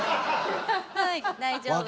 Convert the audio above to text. はい大丈夫です。